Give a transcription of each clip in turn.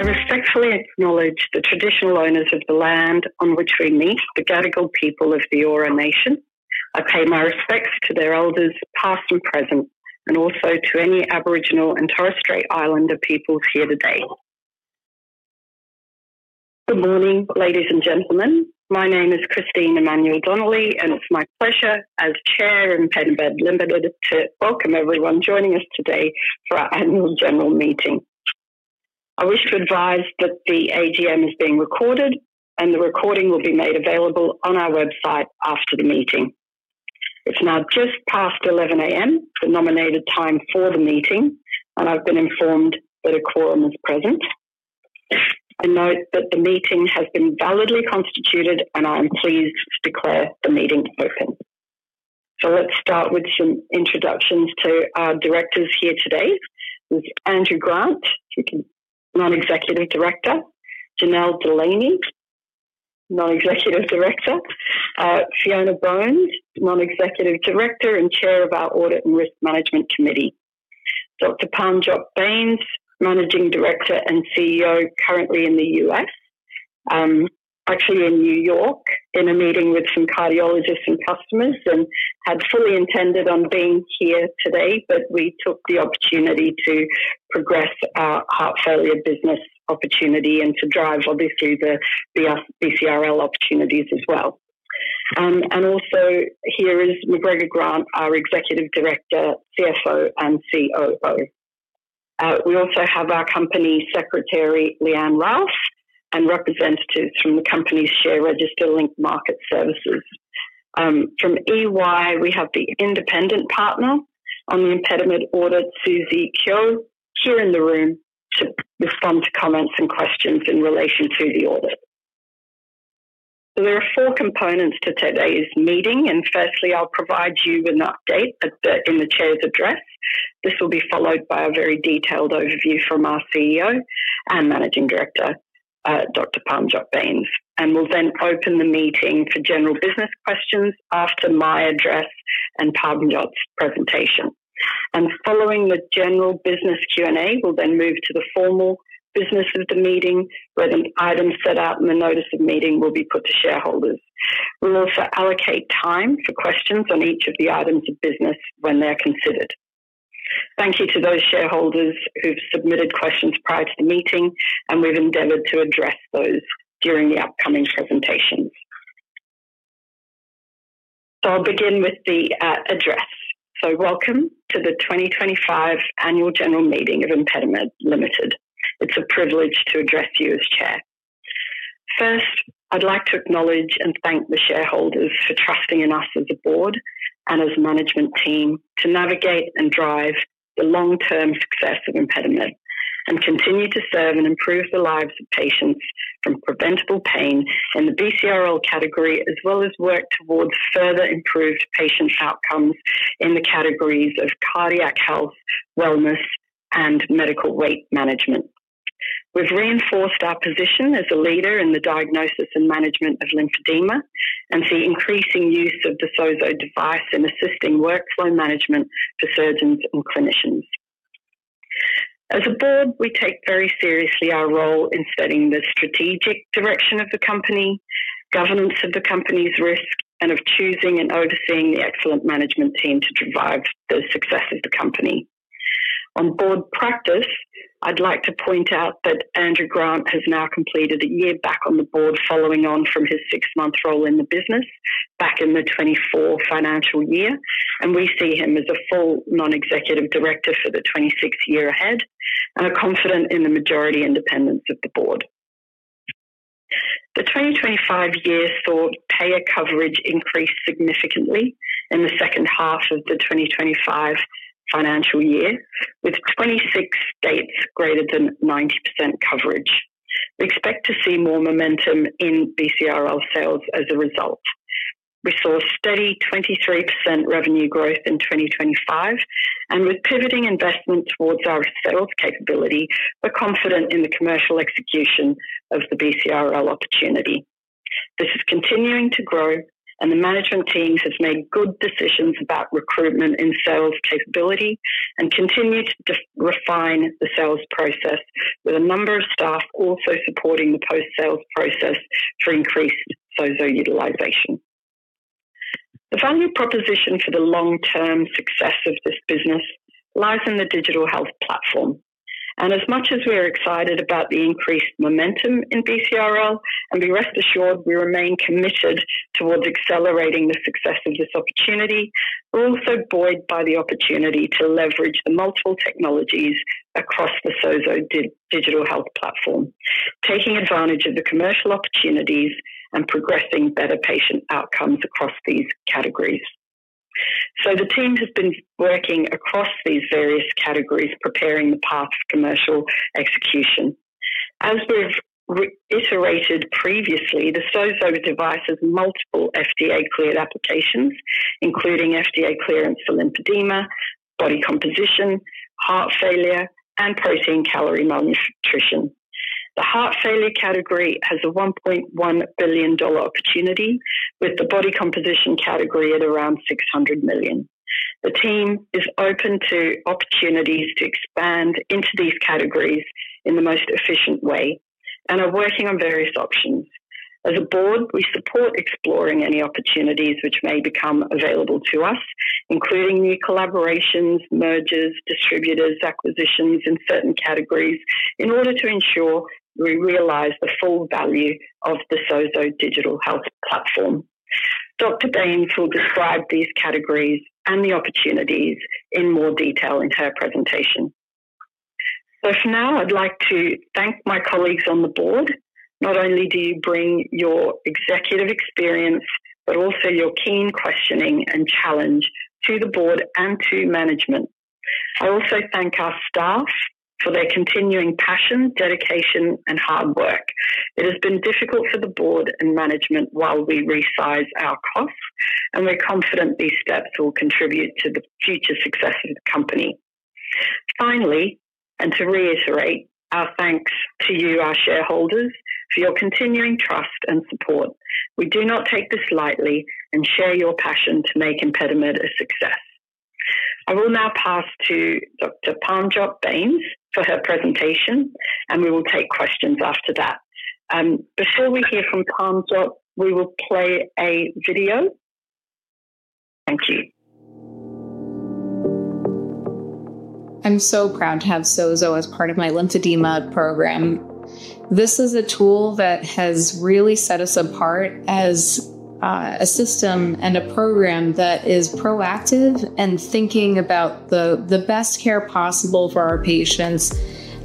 I respectfully acknowledge the traditional owners of the land on which we meet, the Gadigal people of the Eora Nation. I pay my respects to their elders, past and present, and also to any Aboriginal and Torres Strait Islander peoples here today. Good morning, ladies and gentlemen. My name is Christine Emmanuel-Donnelly, and it's my pleasure as Chair ImpediMed Limited to welcome everyone joining us today for our Annual General Meeting. I wish to advise that the AGM is being recorded, and the recording will be made available on our website after the meeting. It's now just past 11:00 A.M., the nominated time for the meeting, and I've been informed that a quorum is present. I note that the meeting has been validly constituted, and I am pleased to declare the meeting open. Let's start with some introductions to our directors here today. There's Andrew Grant, who's a non-executive director, Janelle Delaney, non-executive director, Fiona Bones, non-executive director and chair of our Audit and Risk Management Committee, Dr. Parmjot Bains, Managing Director and CEO, currently in the U.S., actually in New York in a meeting with some cardiologists and customers, and had fully intended on being here today, but we took the opportunity to progress our heart failure business opportunity and to drive, obviously, the BCRL opportunities as well. Also here is McGregor Grant, our Executive Director, CFO, and COO. We also have our Company Secretary, Leanne Ralph, and representatives from the company's share register, Link Market Services. From EY, we have the independent partner on the ImpediMed audit, Suzie Kjell, here in the room to respond to comments and questions in relation to the audit. There are four components to today's meeting. Firstly, I'll provide you with an update in the chair's address. This will be followed by a very detailed overview from our CEO and Managing Director, Dr. Parmjot Bains. We'll then open the meeting for general business questions after my address and Parmjot's presentation. Following the general business Q&A, we'll move to the formal business of the meeting, where the items set out in the notice of meeting will be put to shareholders. We'll also allocate time for questions on each of the items of business when they're considered. Thank you to those shareholders who've submitted questions prior to the meeting, and we've endeavored to address those during the upcoming presentations. I'll begin with the address. Welcome to the 2025 Annual General Meeting of ImpediMed Limited. It's a privilege to address you as chair. First, I'd like to acknowledge and thank the shareholders for trusting in us as a board and as a management team to navigate and drive the long-term success of ImpediMed and continue to serve and improve the lives of patients from preventable pain in the BCRL category, as well as work towards further improved patient outcomes in the categories of cardiac health, wellness, and medical weight management. We've reinforced our position as a leader in the diagnosis and management of lymphedema and see increasing use of the SOZO device in assisting workflow management for surgeons and clinicians. As a board, we take very seriously our role in setting the strategic direction of the company, governance of the company's risk, and of choosing and overseeing the excellent management team to drive the success of the company. On board practice, I'd like to point out that Andrew Grant has now completed a year back on the board, following on from his six-month role in the business back in the 2024 financial year, and we see him as a full non-executive director for the 2026 year ahead and are confident in the majority independence of the board. The 2025 year saw payer coverage increase significantly in the second half of the 2025 financial year, with 26 states greater than 90% coverage. We expect to see more momentum in BCRL sales as a result. We saw steady 23% revenue growth in 2025, and with pivoting investment towards our sales capability, we're confident in the commercial execution of the BCRL opportunity. This is continuing to grow, and the management team has made good decisions about recruitment and sales capability and continued to refine the sales process, with a number of staff also supporting the post-sales process for increased SOZO utilization. The value proposition for the long-term success of this business lies in the digital health platform, and as much as we're excited about the increased momentum in BCRL, and be rest assured we remain committed towards accelerating the success of this opportunity, we're also buoyed by the opportunity to leverage the multiple technologies across the SOZO digital health platform, taking advantage of the commercial opportunities and progressing better patient outcomes across these categories. The team has been working across these various categories, preparing the path for commercial execution. As we've iterated previously, the SOZO device has multiple FDA-cleared applications, including FDA clearance for lymphedema, body composition, heart failure, and protein-calorie malnutrition. The heart failure category has a $1.1 billion opportunity, with the body composition category at around $600 million. The team is open to opportunities to expand into these categories in the most efficient way and are working on various options. As a board, we support exploring any opportunities which may become available to us, including new collaborations, mergers, distributors, acquisitions in certain categories, in order to ensure we realise the full value of the SOZO digital health platform. Dr. Bains will describe these categories and the opportunities in more detail in her presentation. For now, I'd like to thank my colleagues on the board. Not only do you bring your executive experience, but also your keen questioning and challenge to the board and to management. I also thank our staff for their continuing passion, dedication, and hard work. It has been difficult for the board and management while we resize our costs, and we're confident these steps will contribute to the future success of the company. Finally, and to reiterate, our thanks to you, our shareholders, for your continuing trust and support. We do not take this lightly and share your passion to make ImpediMed a success. I will now pass to Parmjot Bains for her presentation, and we will take questions after that. Before we hear from Parmjot, we will play a video. Thank you. I'm so proud to have SOZO as part of my lymphedema program. This is a tool that has really set us apart as a system and a program that is proactive and thinking about the best care possible for our patients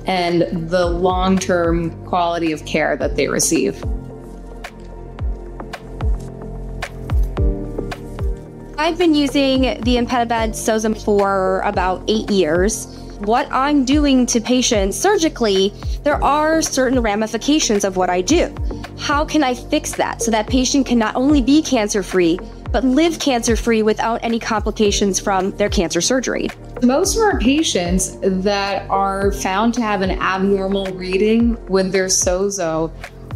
and the long-term quality of care that they receive. I've been using the ImpediMed SOZO for about eight years. What I'm doing to patients surgically, there are certain ramifications of what I do. How can I fix that so that patient can not only be cancer-free, but live cancer-free without any complications from their cancer surgery? Most of our patients that are found to have an abnormal reading with their SOZO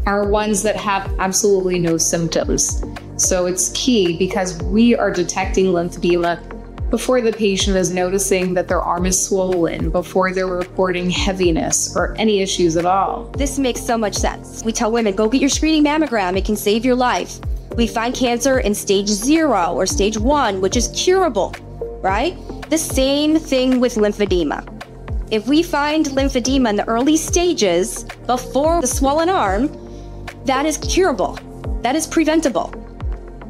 are ones that have absolutely no symptoms. It is key because we are detecting lymphedema before the patient is noticing that their arm is swollen, before they are reporting heaviness or any issues at all. This makes so much sense. We tell women, "Go get your screening mammogram. It can save your life." We find cancer in stage zero or stage one, which is curable, right? The same thing with lymphedema. If we find lymphedema in the early stages before the swollen arm, that is curable. That is preventable.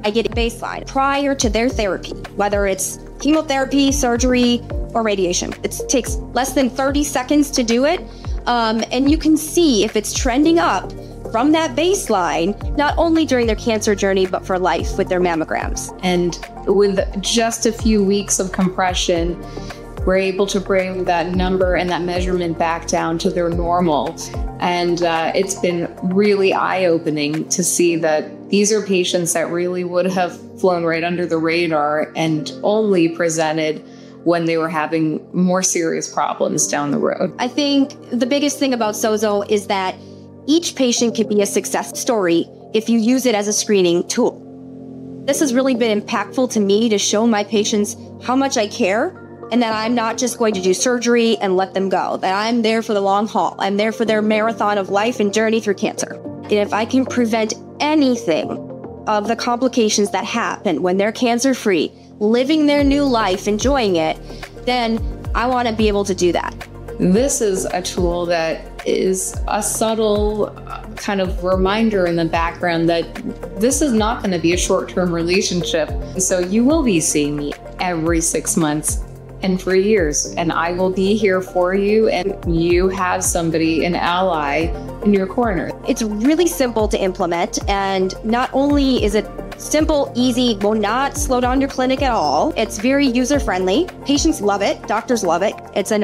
I get a baseline prior to their therapy, whether it is chemotherapy, surgery, or radiation. It takes less than 30 seconds to do it, and you can see if it is trending up from that baseline, not only during their cancer journey, but for life with their mammograms. With just a few weeks of compression, we're able to bring that number and that measurement back down to their normal. It has been really eye-opening to see that these are patients that really would have flown right under the radar and only presented when they were having more serious problems down the road. I think the biggest thing about SOZO is that each patient can be a success story if you use it as a screening tool. This has really been impactful to me to show my patients how much I care and that I'm not just going to do surgery and let them go, that I'm there for the long haul. I'm there for their marathon of life and journey through cancer. If I can prevent anything of the complications that happen when they're cancer-free, living their new life, enjoying it, then I want to be able to do that. This is a tool that is a subtle kind of reminder in the background that this is not going to be a short-term relationship. You will be seeing me every six months and for years, and I will be here for you, and you have somebody, an ally in your corner. It's really simple to implement, and not only is it simple, easy, will not slow down your clinic at all, it's very user-friendly. Patients love it. Doctors love it. It's a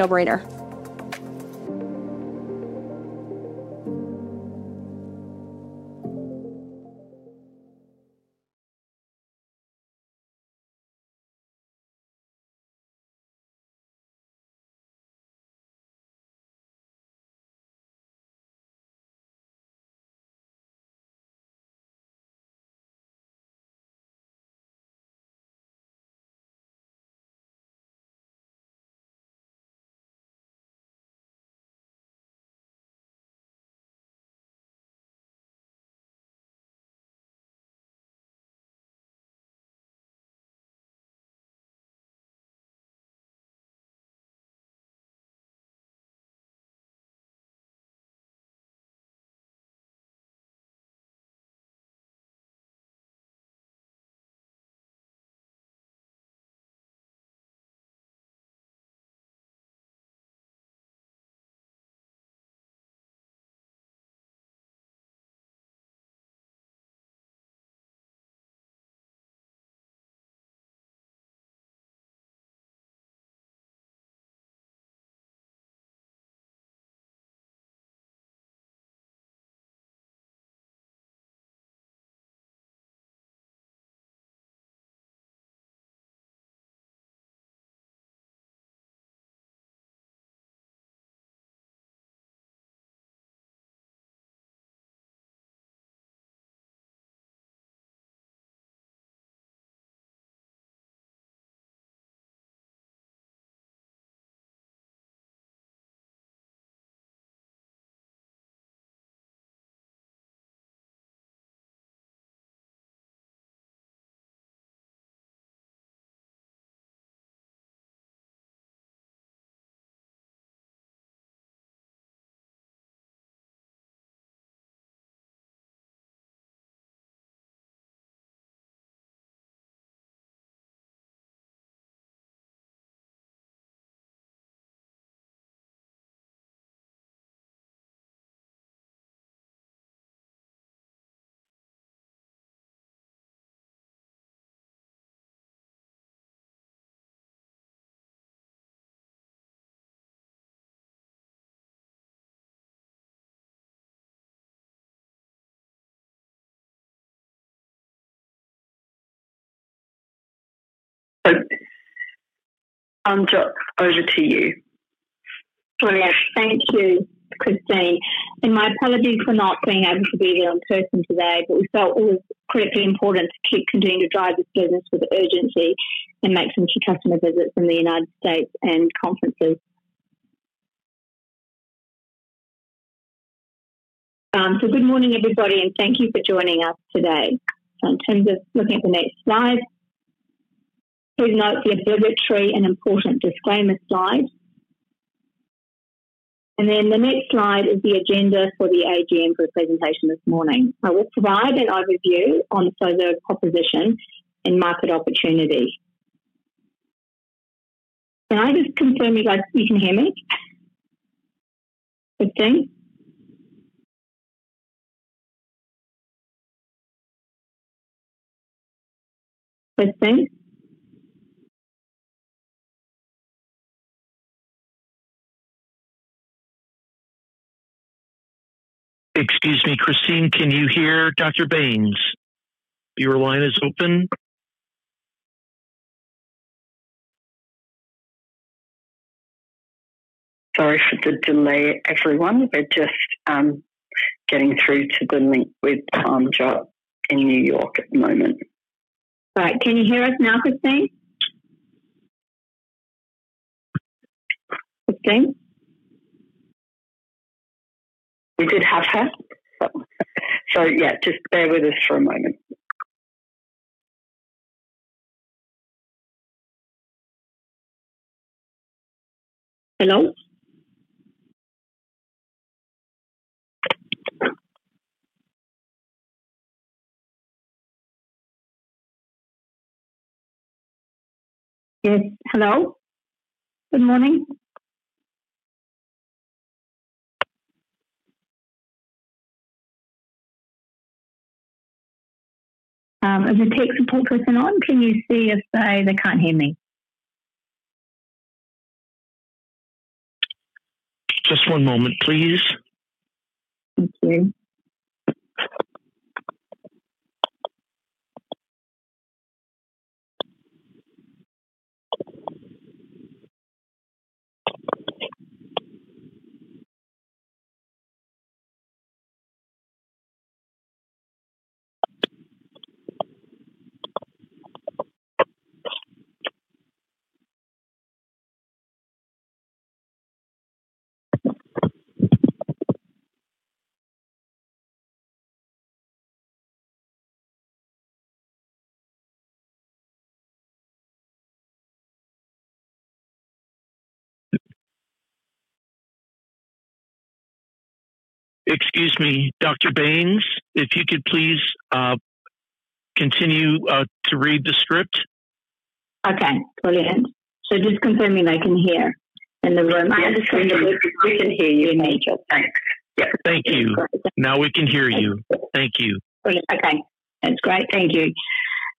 no-brainer. Parmjot, over to you. Brilliant. Thank you, Christine. My apologies for not being able to be here in person today, but we felt it was critically important to keep continuing to drive this business with urgency and make some customer visits in the United States and conferences. Good morning, everybody, and thank you for joining us today. In terms of looking at the next slide, please note the obligatory and important disclaimer slide. The next slide is the agenda for the AGM for the presentation this morning. I will provide an overview on SOZO's proposition and market opportunity. Can I just confirm you guys you can hear me? Christine? Christine? Excuse me, Christine, can you hear Dr. Bains? Your line is open. Sorry for the delay, everyone. We're just getting through to the link with Parmjot in New York at the moment. Right. Can you hear us now, Christine? Christine? We did have her. Yeah, just bear with us for a moment. Hello? Yes. Hello? Good morqning. As the spokesperson on, can you see if they can't hear me? Just one moment, please. Thank you. Excuse me, Dr. Bains, if you could please continue to read the script. Okay. Brilliant. Just confirming I can hear in the room. I understand that we can hear you. We may just. Thanks. Yep. Thank you. Now we can hear you. Thank you. Okay. That's great. Thank you.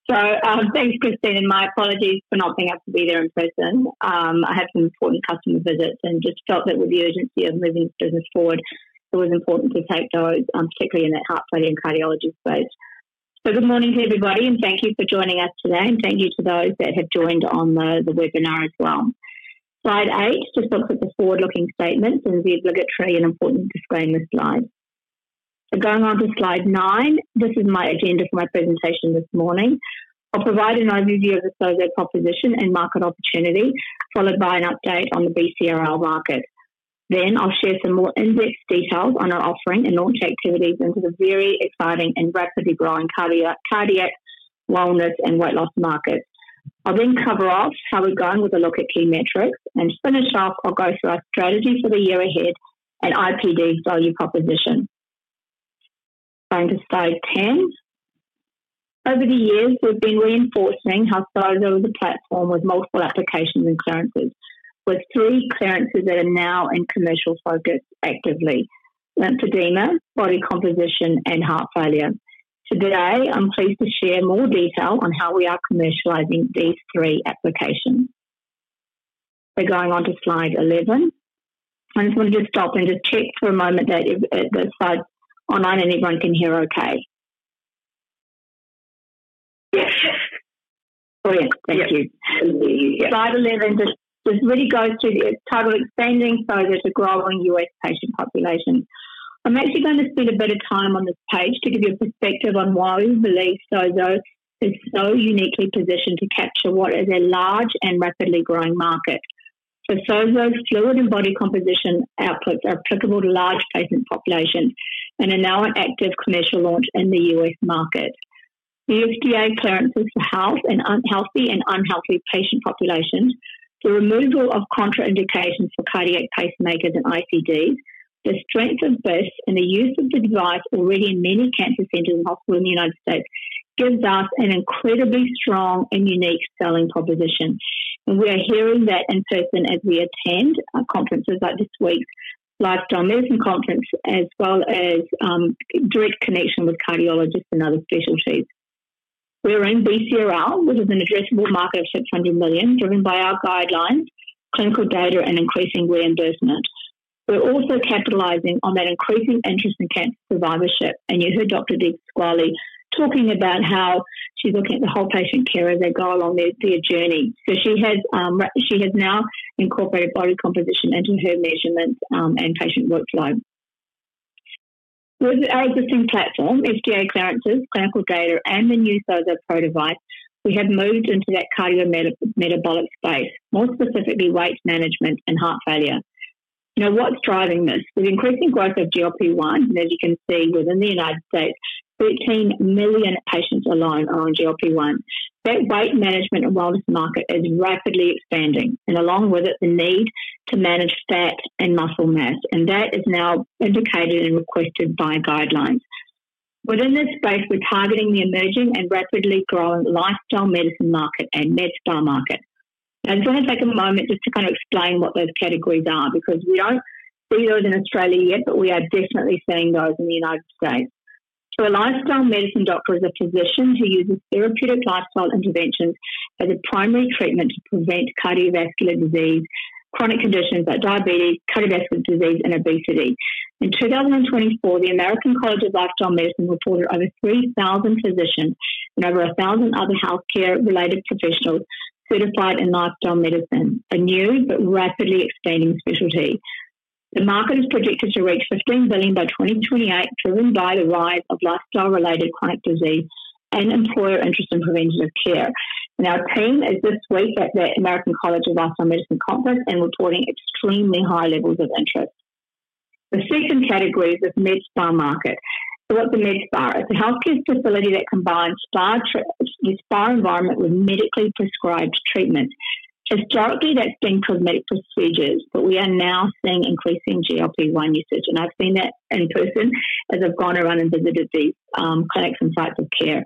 Thanks, Christine, and my apologies for not being able to be there in person. I had some important customer visits and just felt that with the urgency of moving this business forward, it was important to take those, particularly in that heart failure and cardiology space. Good morning to everybody, and thank you for joining us today, and thank you to those that have joined on the webinar as well. Slide eight just looks at the forward-looking statements and the obligatory and important disclaimer slide. Going on to slide nine, this is my agenda for my presentation this morning. I'll provide an overview of the SOZO proposition and market opportunity, followed by an update on the BCRL market. Then I'll share some more in-depth details on our offering and launch activities into the very exciting and rapidly growing cardiac, wellness, and weight loss markets. I'll then cover off how we've gone with a look at key metrics, and to finish off, I'll go through our strategy for the year ahead and IPD value proposition. Going to slide ten. Over the years, we've been reinforcing how SOZO is a platform with multiple applications and clearances, with three clearances that are now in commercial focus actively: lymphedema, body composition, and heart failure. Today, I'm pleased to share more detail on how we are commercialising these three applications. Going on to slide eleven, I just want to just stop and just check for a moment that the slides online and everyone can hear okay. Yes. Brilliant. Thank you. Slide eleven just really goes through the total expanding SOZO to growing U.S. patient population. I'm actually going to spend a bit of time on this page to give you a perspective on why we believe SOZO is so uniquely positioned to capture what is a large and rapidly growing market. SOZO's fluid and body composition outputs are applicable to large patient populations and are now an active commercial launch in the U.S. market. The FDA clearances for healthy and unhealthy patient populations, the removal of contraindications for cardiac pacemakers and ICDs, the strength of this, and the use of the device already in many cancer centers and hospitals in the United States gives us an incredibly strong and unique selling proposition. We are hearing that in person as we attend conferences like this week's Lifestyle Medicine Conference, as well as direct connection with cardiologists and other specialties. We are in BCRL, which is an addressable market of $600 million, driven by our guidelines, clinical data, and increasing reimbursement. We are also capitalizing on that increasing interest in cancer survivorship, and you heard Dr. Deep Swali talking about how she is looking at the whole patient care as they go along their journey. She has now incorporated body composition into her measurements and patient workflow. With our existing platform, FDA clearances, clinical data, and the new SOZO Pro device, we have moved into that cardiometabolic space, more specifically weight management and heart failure. Now, what is driving this? With increasing growth of GLP-1, and as you can see within the United States, 13 million patients alone are on GLP-1, that weight management and wellness market is rapidly expanding, and along with it, the need to manage fat and muscle mass, and that is now indicated and requested by guidelines. Within this space, we're targeting the emerging and rapidly growing lifestyle medicine market and med spa market. Now, I just want to take a moment just to kind of explain what those categories are because we don't see those in Australia yet, but we are definitely seeing those in the United States. A lifestyle medicine doctor is a physician who uses therapeutic lifestyle interventions as a primary treatment to prevent cardiovascular disease, chronic conditions like diabetes, cardiovascular disease, and obesity. In 2024, the American College of Lifestyle Medicine reported over 3,000 physicians and over 1,000 other healthcare-related professionals certified in lifestyle medicine, a new but rapidly expanding specialty. The market is projected to reach $15 billion by 2028, driven by the rise of lifestyle-related chronic disease and employer interest in preventative care. Our team is this week at the American College of Lifestyle Medicine Conference and reporting extremely high levels of interest. The second category is this med spa market. What's a med spa? It's a healthcare facility that combines the spa environment with medically prescribed treatments. Historically, that's been cosmetic procedures, but we are now seeing increasing GLP-1 usage, and I've seen that in person as I've gone around and visited these clinics and sites of care.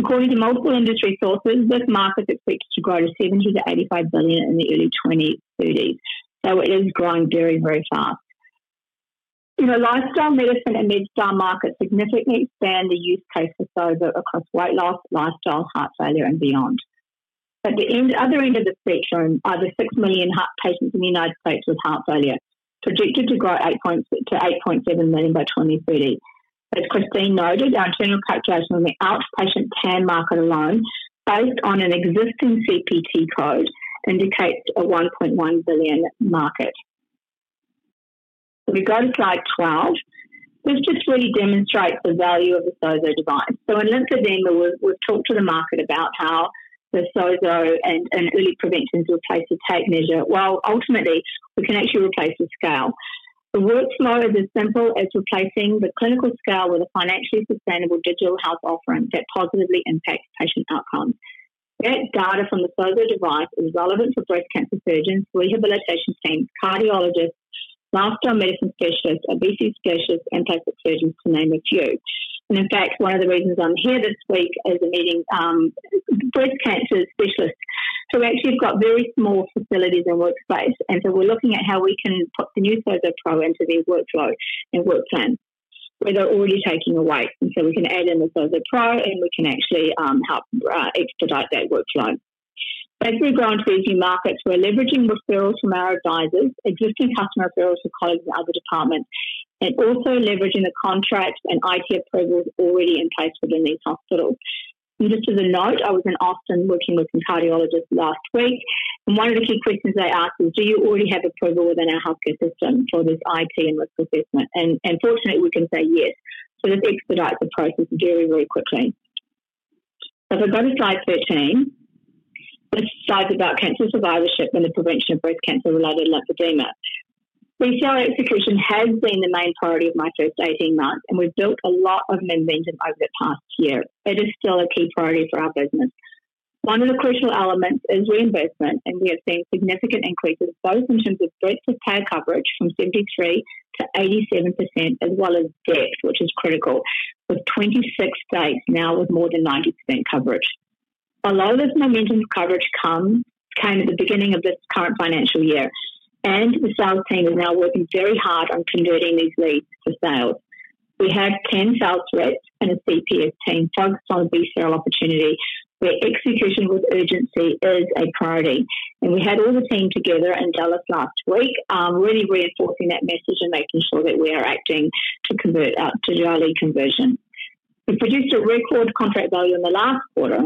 According to multiple industry sources, this market expects to grow to $70 billion to $85 billion in the early 2030s. It is growing very, very fast. Lifestyle medicine and med spa markets significantly expand the use case for SOZO across weight loss, lifestyle, heart failure, and beyond. At the other end of the spectrum are the 6 million patients in the United States with heart failure, projected to grow to 8.7 million by 2030. As Christine noted, our internal calculation on the outpatient CAM market alone, based on an existing CPT code, indicates a $1.1 billion market. We go to slide twelve. This just really demonstrates the value of the SOZO device. In lymphedema, we've talked to the market about how the SOZO and early prevention is a place to take measure. Ultimately, we can actually replace the scale. The workflow is as simple as replacing the clinical scale with a financially sustainable digital health offering that positively impacts patient outcomes. That data from the SOZO device is relevant for breast cancer surgeons, rehabilitation teams, cardiologists, lifestyle medicine specialists, obesity specialists, and plastic surgeons, to name a few. In fact, one of the reasons I'm here this week is meeting breast cancer specialists who actually have got very small facilities and workspaces, and we are looking at how we can put the new SOZO Pro into their workflow and work plan, where they are already taking a weight. We can add in the SOZO Pro, and we can actually help expedite that workflow. As we are going to these new markets, we are leveraging referrals from our advisors, existing customer referrals from colleagues in other departments, and also leveraging the contracts and IT approvals already in place within these hospitals. Just as a note, I was in Austin working with some cardiologists last week, and one of the key questions they asked was, "Do you already have approval within our healthcare system for this IT and risk assessment?" Fortunately, we can say yes. This expedites the process very, very quickly. If we go to slide thirteen, this slide is about cancer survivorship and the prevention of breast cancer related lymphedema. BCRL execution has been the main priority of my first 18 months, and we've built a lot of momentum over the past year. It is still a key priority for our business. One of the crucial elements is reimbursement, and we have seen significant increases, both in terms of breast-to-thigh coverage from 73%-87%, as well as depth, which is critical, with 26 states now with more than 90% coverage. A lot of this momentum coverage came at the beginning of this current financial year, and the sales team is now working very hard on converting these leads to sales. We had Ken Salwitz and his CPS team focus on the BCRL opportunity, where execution with urgency is a priority. We had all the team together in Dallas last week, really reinforcing that message and making sure that we are acting to convert out to early conversion. We produced a record contract value in the last quarter,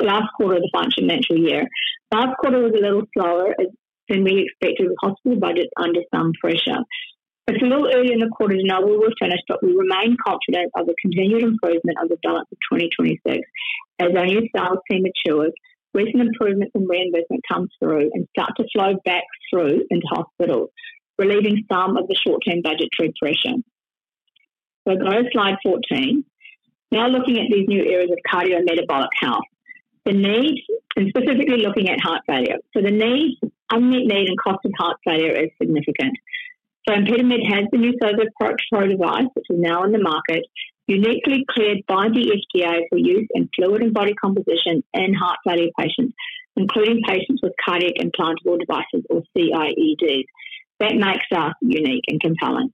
last quarter of the financial year. Last quarter was a little slower than we expected with hospital budgets under some pressure. It is a little early in the quarter to know when we are finished, but we remain confident of the continued improvement of the balance of 2026. As our new sales team matures, recent improvements in reimbursement come through and start to flow back through into hospitals, relieving some of the short-term budgetary pressure. Go to slide fourteen. Now looking at these new areas of cardiometabolic health, the need, and specifically looking at heart failure. The need, unmet need, and cost of heart failure is significant. ImpediMed has the new SOZO Pro device, which is now in the market, uniquely cleared by the FDA for use in fluid and body composition and heart failure patients, including patients with cardiac implantable devices, or CIEDs. That makes us unique and compelling.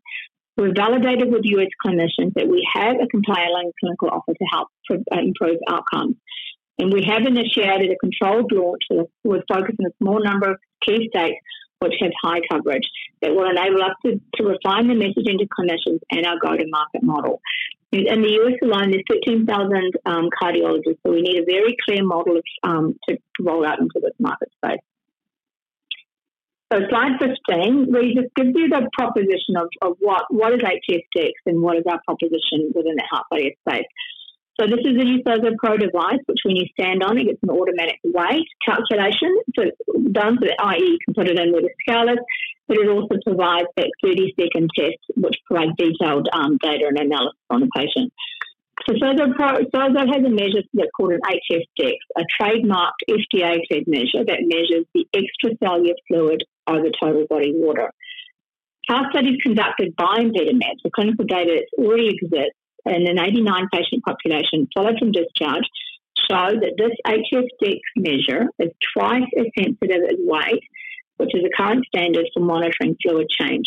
We've validated with U.S. clinicians that we have a compliant lung clinical offer to help improve outcomes, and we have initiated a controlled launch with focus on a small number of key states which have high coverage that will enable us to refine the message into clinicians and our go-to-market model. In the U.S. alone, there's 15,000 cardiologists, so we need a very clear model to roll out into this market space. Slide fifteen, we just give you the proposition of what is HF-Dex and what is our proposition within the heart failure space. This is the new SOZO Pro device, which when you stand on it, it's an automatic weight calculation. It's done to the IE, compared to then with a scale, but it also provides that 30-second test, which provides detailed data and analysis on the patient. SOZO has a measure that's called an HF-Dex, a trademarked FDA-approved measure that measures the extra failure fluid of the total body water. Our study's conducted by ImpediMed. The clinical data already exists, and an 89-patient population followed from discharge showed that this HF-Dex measure is twice as sensitive as weight, which is a current standard for monitoring fluid change.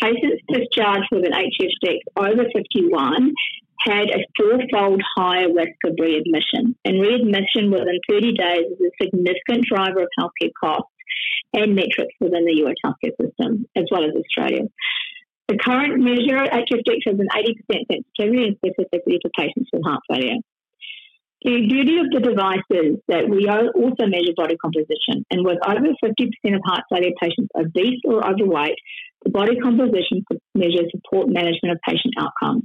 Patients discharged with an HF-Dex over 51 had a four-fold higher risk of readmission, and readmission within 30 days is a significant driver of healthcare costs and metrics within the U.S. healthcare system, as well as Australia. The current measure, HF-Dex, has an 80% sensitivity and specificity for patients with heart failure. The beauty of the device is that we also measure body composition, and with over 50% of heart failure patients obese or overweight, the body composition measures support management of patient outcomes.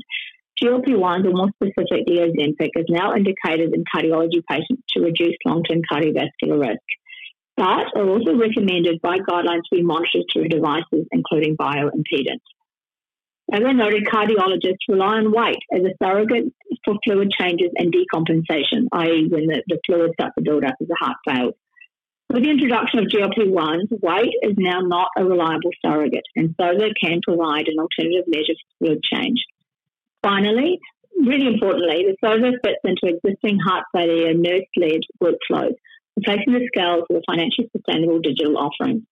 GLP-1, the more specific Ozempic, is now indicated in cardiology patients to reduce long-term cardiovascular risk, but are also recommended by guidelines to be monitored through devices, including bioimpedance. As I noted, cardiologists rely on weight as a surrogate for fluid changes and decompensation, i.e., when the fluid starts to build up as the heart fails. With the introduction of GLP-1, weight is now not a reliable surrogate, and SOZO can provide an alternative measure for fluid change. Finally, really importantly, the SOZO fits into existing heart failure nurse-led workflows, replacing the scales with a financially sustainable digital offering.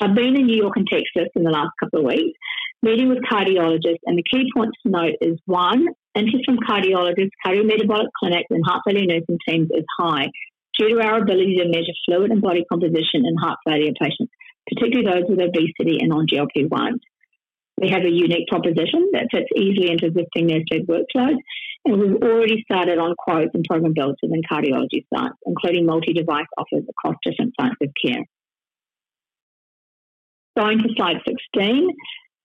I've been in New York and Texas in the last couple of weeks, meeting with cardiologists, and the key points to note is, one, interest from cardiologists, cardiometabolic clinics, and heart failure nursing teams is high due to our ability to measure fluid and body composition in heart failure patients, particularly those with obesity and on GLP-1. We have a unique proposition that fits easily into existing nurse-led workflows, and we've already started on quotes and program builds within cardiology sites, including multi-device offers across different sites of care. Going to slide sixteen,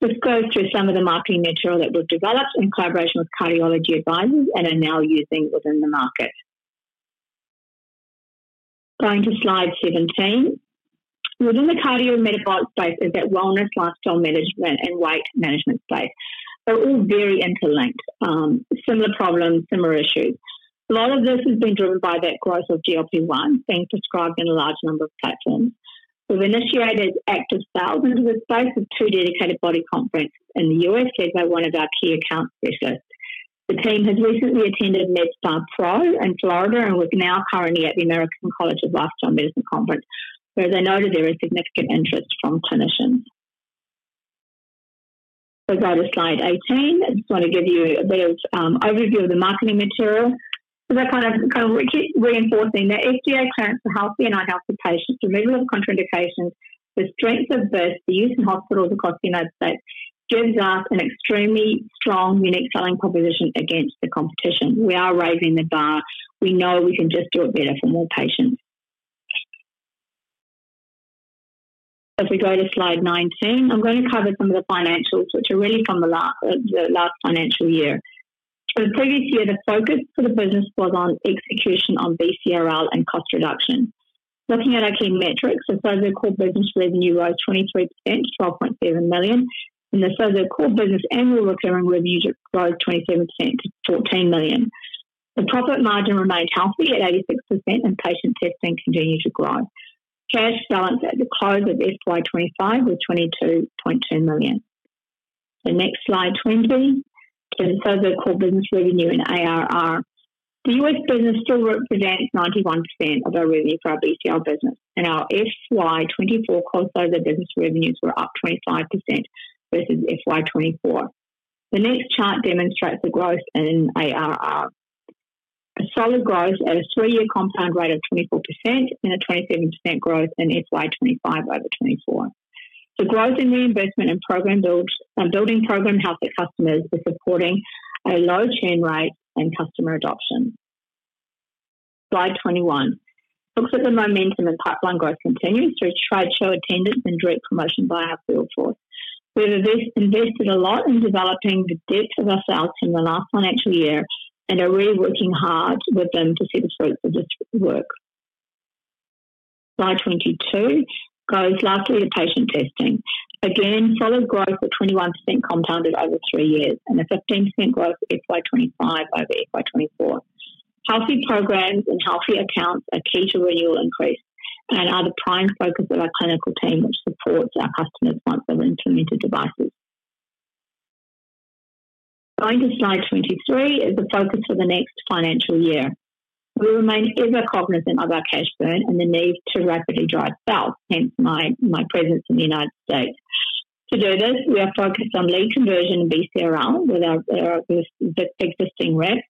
this goes through some of the marketing material that we've developed in collaboration with cardiology advisors and are now using within the market. Going to slide seventeen, within the cardiometabolic space is that wellness, lifestyle management, and weight management space. They're all very interlinked, similar problems, similar issues. A lot of this has been driven by that growth of GLP-1 being prescribed in a large number of platforms. We've initiated active sales into this space with two dedicated body conferences in the U.S. led by one of our key account specialists. The team has recently attended MedSpa Pro in Florida and is now currently at the American College of Lifestyle Medicine Conference, where they noted there is significant interest from clinicians. We'll go to slide eighteen. I just want to give you a bit of overview of the marketing material. So they're kind of reinforcing that FDA clearance for healthy and unhealthy patients, removal of contraindications, the strength of both the use in hospitals across the United States gives us an extremely strong, unique selling proposition against the competition. We are raising the bar. We know we can just do it better for more patients. If we go to slide nineteen, I'm going to cover some of the financials, which are really from the last financial year. The previous year, the focus for the business was on execution on BCRL and cost reduction. Looking at our key metrics, the SOZO core business revenue rose 23% to $12.7 million, and the SOZO core business annual recurring revenue rose 27% to $14 million. The profit margin remained healthy at 86%, and patient testing continued to grow. Cash balance at the close of FY2025 was $22.2 million. Next, slide twenty, the SOZO core business revenue and ARR. The U.S. business still represents 91% of our revenue for our BCRL business, and our FY2024 core SOZO business revenues were up 25% versus FY2024. The next chart demonstrates the growth in ARR, a solid growth at a three-year compound rate of 24% and a 27% growth in FY25 over 24. The growth in reimbursement and program building program health for customers is supporting a low churn rate and customer adoption. Slide twenty-one looks at the momentum and pipeline growth continues through trade show attendance and direct promotion by our field force. We've invested a lot in developing the depth of our sales from the last financial year and are really working hard with them to see the fruits of this work. Slide twenty-two goes largely to patient testing. Again, solid growth at 21% compounded over three years and a 15% growth at FY25 over FY24. Healthy programs and healthy accounts are key to renewal increase and are the prime focus of our clinical team, which supports our customers once they've implemented devices. Going to slide 23 is the focus for the next financial year. We remain ever cognizant of our cash burn and the need to rapidly drive sales, hence my presence in the United States. To do this, we are focused on lead conversion and BCRL with our existing reps,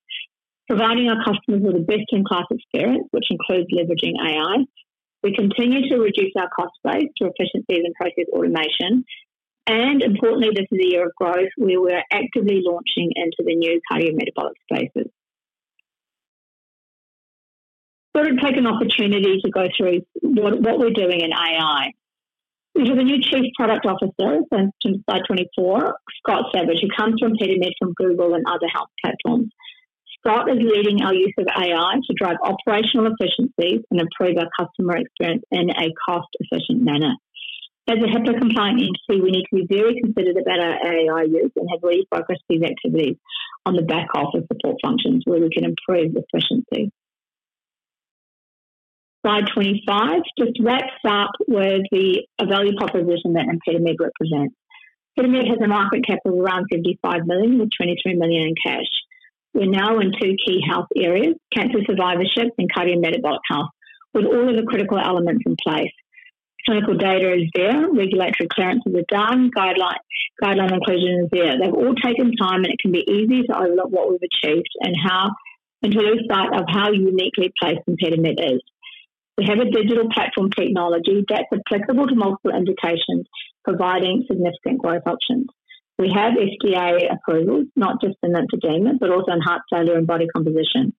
providing our customers with the best-in-class experience, which includes leveraging AI. We continue to reduce our cost base through efficiencies and process automation. Importantly, this is a year of growth where we're actively launching into the new cardiometabolic spaces. I thought I'd take an opportunity to go through what we're doing in AI. We have a new Chief Product Officer since slide twenty-four, Scott Savage, who comes to ImpediMed from Google and other health platforms. Scott is leading our use of AI to drive operational efficiencies and improve our customer experience in a cost-efficient manner. As a HIPAA-compliant entity, we need to be very considerate about our AI use and have refocused these activities on the back office support functions where we can improve efficiency. Slide twenty-five just wraps up with the value proposition that ImpediMed represents. ImpediMed has a market cap of $55 million, with $23 million in cash. We're now in two key health areas, cancer survivorship and cardiometabolic health, with all of the critical elements in place. Clinical data is there, regulatory clearances are done, guideline inclusion is there. They've all taken time, and it can be easy to overlook what we've achieved and how, and to lose sight of how uniquely placed ImpediMed is. We have a digital platform technology that's applicable to multiple indications, providing significant growth options. We have FDA approvals, not just in lymphedema, but also in heart failure and body composition.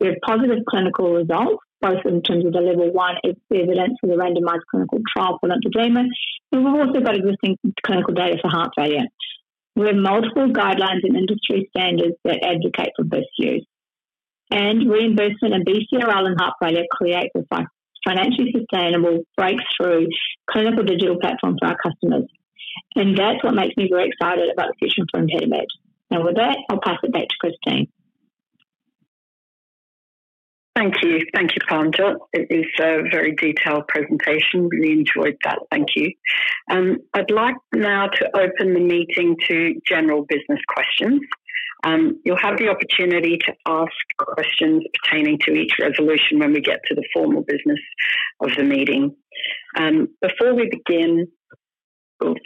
We have positive clinical results, both in terms of the level one evidence for the randomized clinical trial for lymphedema, and we've also got existing clinical data for heart failure. We have multiple guidelines and industry standards that advocate for both use. Reimbursement and BCRL and heart failure create the financially sustainable breakthrough clinical digital platform for our customers. That's what makes me very excited about the future for ImpediMed. With that, I'll pass it back to Christine. Thank you. Thank you, Parmjot. It is a very detailed presentation. We enjoyed that. Thank you. I'd like now to open the meeting to general business questions. You'll have the opportunity to ask questions pertaining to each resolution when we get to the formal business of the meeting. Before we begin,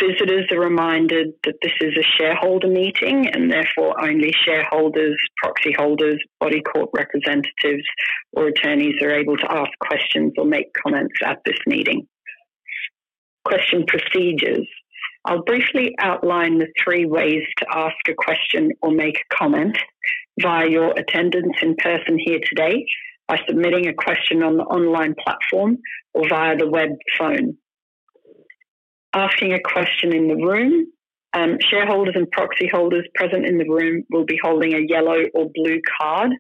visitors are reminded that this is a shareholder meeting, and therefore only shareholders, proxy holders, body corporate representatives, or attorneys are able to ask questions or make comments at this meeting. Question procedures. I'll briefly outline the three ways to ask a question or make a comment via your attendance in person here today, by submitting a question on the online platform, or via the web phone. Asking a question in the room. Shareholders and proxy holders present in the room will be holding a yellow or blue card.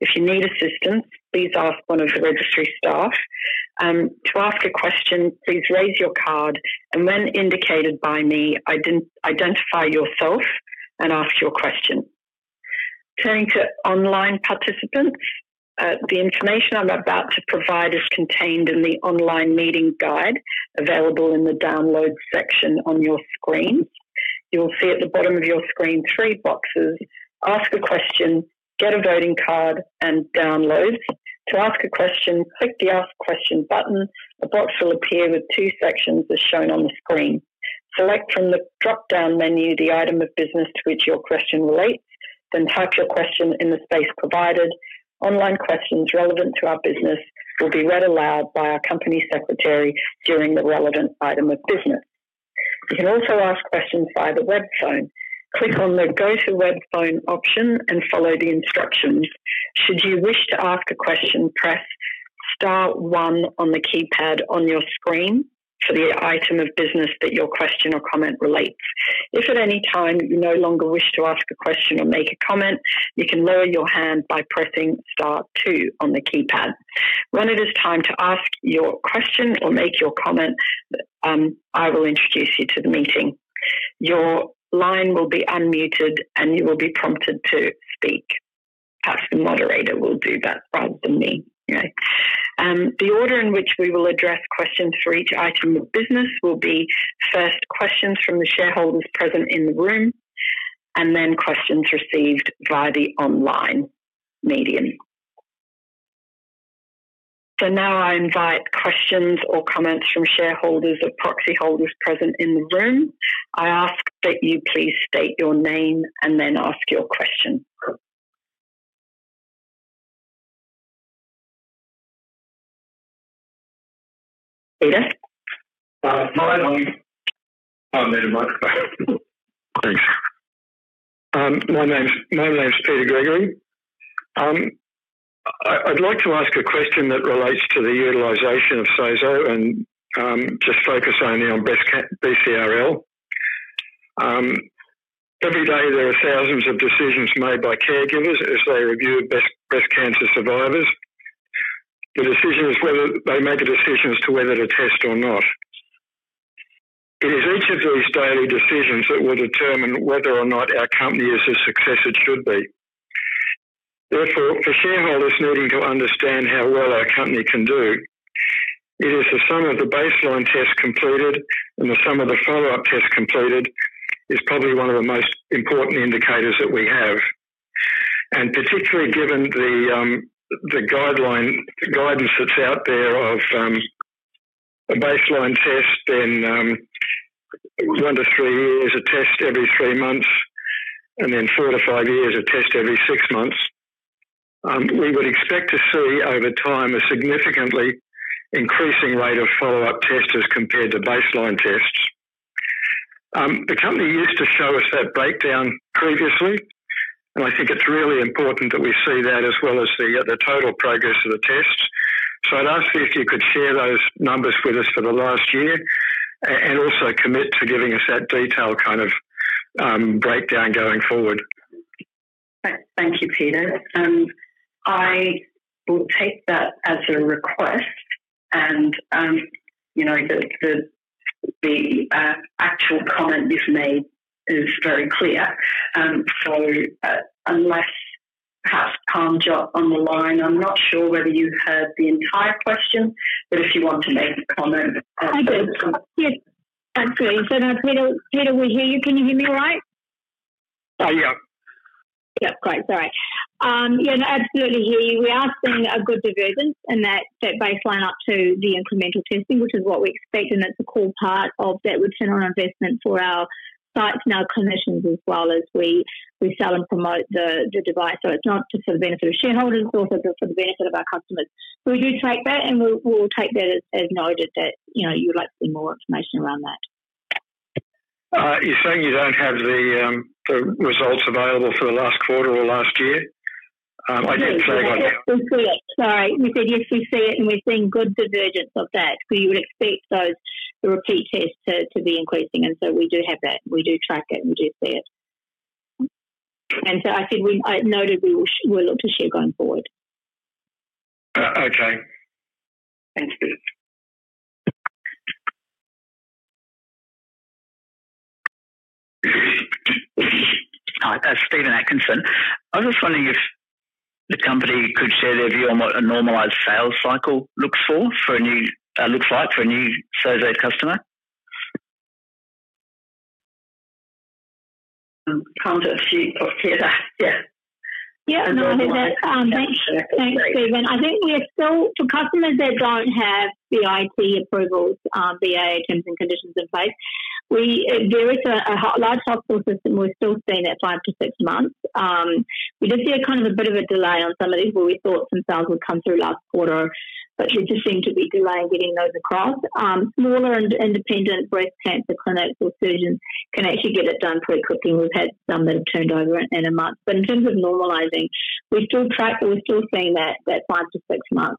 If you need assistance, please ask one of the registry staff. To ask a question, please raise your card, and when indicated by me, identify yourself and ask your question. Turning to online participants, the information I'm about to provide is contained in the online meeting guide available in the download section on your screen. You'll see at the bottom of your screen three boxes: Ask a question, Get a voting card, and download. To ask a question, click the ask question button. A box will appear with two sections as shown on the screen. Select from the drop-down menu the item of business to which your question relates, then type your question in the space provided. Online questions relevant to our business will be read aloud by our Company Secretary during the relevant item of business. You can also ask questions via the web phone. Click on the go to web phone option and follow the instructions. Should you wish to ask a question, press star one on the keypad on your screen for the item of business that your question or comment relates. If at any time you no longer wish to ask a question or make a comment, you can lower your hand by pressing star two on the keypad. When it is time to ask your question or make your comment, I will introduce you to the meeting. Your line will be unmuted, and you will be prompted to speak. Perhaps the moderator will do that rather than me. The order in which we will address questions for each item of business will be first questions from the shareholders present in the room, and then questions received via the online medium. I invite questions or comments from shareholders or proxy holders present in the room. I ask that you please state your name and then ask your question. Thanks. My name's Peter Gregory. I'd like to ask a question that relates to the utilization of SOZO and just focus only on BCRL. Every day, there are thousands of decisions made by caregivers as they review breast cancer survivors. The decision is whether they make a decision as to whether to test or not. It is each of these daily decisions that will determine whether or not our company is as successful as it should be. Therefore, for shareholders needing to understand how well our company can do, it is the sum of the baseline tests completed and the sum of the follow-up tests completed is probably one of the most important indicators that we have. Particularly given the guidance that is out there of a baseline test in one to three years, a test every three months, and then four to five years, a test every six months, we would expect to see over time a significantly increasing rate of follow-up tests as compared to baseline tests. The company used to show us that breakdown previously, and I think it is really important that we see that as well as the total progress of the tests. I would ask if you could share those numbers with us for the last year and also commit to giving us that detail kind of breakdown going forward. Thank you, Peter. I will take that as a request, and the actual comment you have made is very clear. Unless perhaps Parmjot on the line, I'm not sure whether you've heard the entire question, but if you want to make a comment. I did. Yes. Absolutely. Now, Peter, we hear you. Can you hear me all right? Yeah. Yeah. Great. Sorry. Yeah, no, absolutely hear you. We are seeing a good divergence in that baseline up to the incremental testing, which is what we expect, and it's a core part of that return on investment for our sites and our clinicians as well as we sell and promote the device. It's not just for the benefit of shareholders, it's also for the benefit of our customers. We do take that, and we'll take that as noted that you'd like to see more information around that. You're saying you don't have the results available for the last quarter or last year? I did say that. We see it. Sorry. You said, "Yes, we see it," and we're seeing good divergence of that. You would expect the repeat tests to be increasing, and we do have that. We do track it, and we do see it. I said we noted we'll look to share going forward. Hi, Stephen Atkinson. I was just wondering if the company could share their view on what a normalized sales cycle looks like for a new SOZO customer. Parmjot, if you've got it. Yeah, no worries. Thanks, Stephen. I think we're still, for customers that don't have the IT approvals, BA terms and conditions in place, there is a large hospital system we're still seeing at five to six months. We did see kind of a bit of a delay on some of these where we thought some sales would come through last quarter, but there just seemed to be delay in getting those across. Smaller and independent breast cancer clinics or surgeons can actually get it done pretty quickly. We've had some that have turned over in a month. In terms of normalizing, we're still seeing that five- to six-month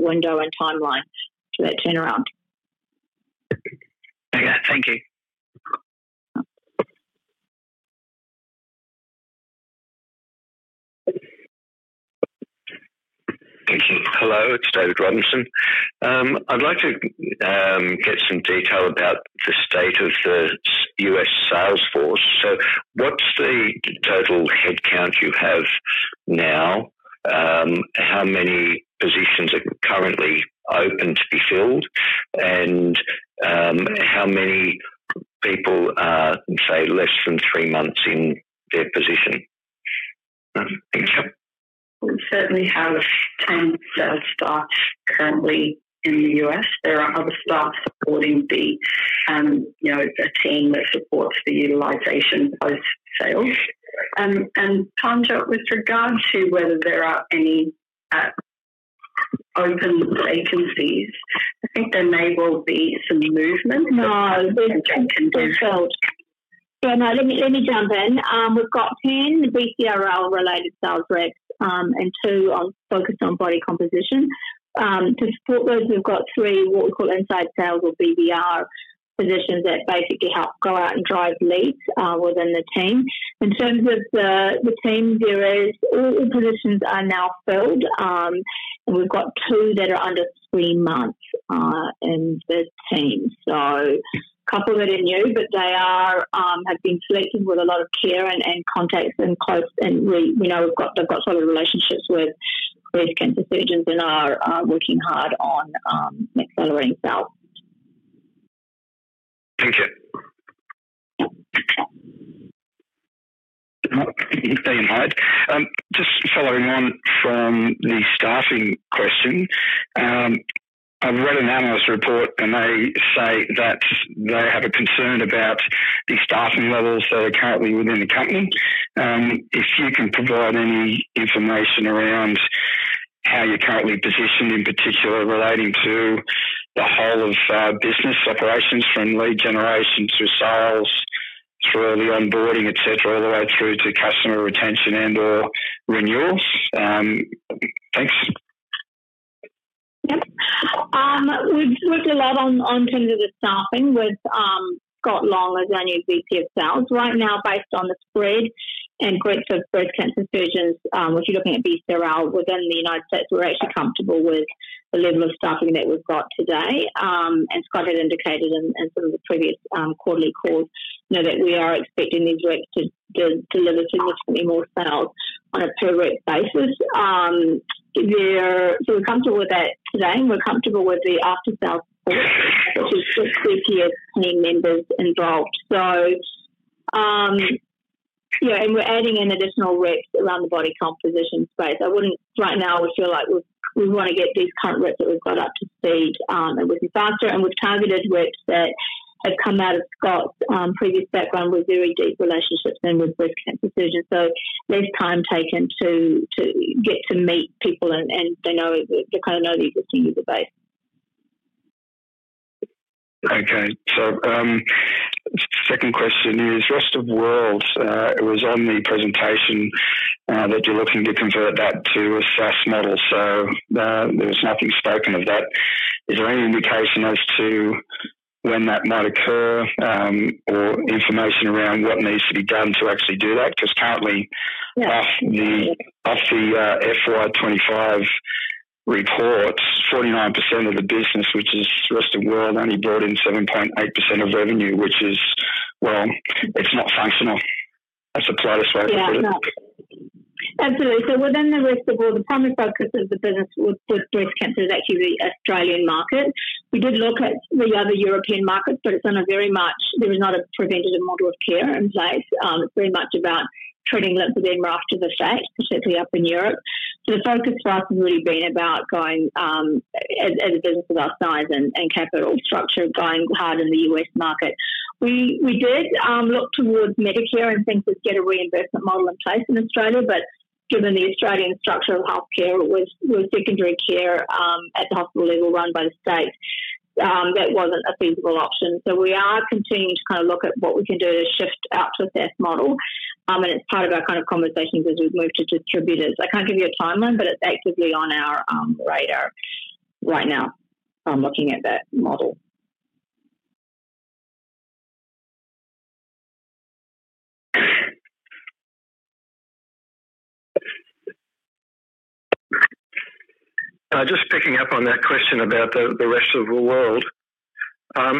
window and timeline for that turnaround. Hello. It's David Robinson. I'd like to get some detail about the state of the U.S. Salesforce. What's the total headcount you have now? How many positions are currently open to be filled? How many people are, say, less than three months in their position? Thank you. We certainly have 10 sales staff currently in the U.S.. There are other staff supporting the team that supports the utilization post-sales. Parmjot, with regard to whether there are any open vacancies, I think there may well be some movement. No, we're still filled. Yeah, no, let me jump in. We've got 10 BCRL-related sales reps and two focused on body composition. To support those, we've got three what we call inside sales or BBR positions that basically help go out and drive leads within the team. In terms of the teams, all positions are now filled, and we've got two that are under three months in the team. So a couple that are new, but they have been selected with a lot of care and contacts and close, and we know they've got solid relationships with breast cancer surgeons and are working hard on accelerating sales. Thank you. Just following on from the staffing question, I've read an analyst report, and they say that they have a concern about the staffing levels that are currently within the company. If you can provide any information around how you're currently positioned in particular relating to the whole of business operations from lead generation through sales through the onboarding, etc., all the way through to customer retention and/or renewals. Thanks. Yep. We've worked a lot on terms of the staffing with Scott Long as our new VP of Sales. Right now, based on the spread and growth of breast cancer surgeons, if you're looking at BCRL within the United States, we're actually comfortable with the level of staffing that we've got today. Scott had indicated in some of the previous quarterly calls that we are expecting these reps to deliver significantly more sales on a per-rep basis. We're comfortable with that today, and we're comfortable with the after-sales support, which is six VPs and members involved. We're adding in additional reps around the body composition space. Right now, we feel like we want to get these current reps that we've got up to speed and working faster. We've targeted reps that have come out of Scott's previous background with very deep relationships and with breast cancer surgeons. Less time taken to get to meet people, and they kind of know the existing user base. Okay. Second question is, rest of world, it was on the presentation that you're looking to convert that to a SaaS model, so there was nothing spoken of that. Is there any indication as to when that might occur or information around what needs to be done to actually do that? Because currently, off the FY2025 reports, 49% of the business, which is rest of world, only brought in 7.8% of revenue, which is, well, it's not functional. That's a plot of sweat for them. Yeah. Absolutely. Within the rest of world, the primary focus of the business with breast cancer is actually the Australian market. We did look at the other European markets, but it's on a very much there is not a preventative model of care in place. It's very much about treating lymphedema after the fact, particularly up in Europe. The focus for us has really been about, as a business of our size and capital structure, going hard in the U.S. market. We did look towards Medicare and think we'd get a reimbursement model in place in Australia, but given the Australian structure of healthcare, with secondary care at the hospital level run by the state, that was not a feasible option. We are continuing to kind of look at what we can do to shift out to a SaaS model, and it is part of our kind of conversations as we have moved to distributors. I cannot give you a timeline, but it is actively on our radar right now, looking at that model. Just picking up on that question about the rest of the world, I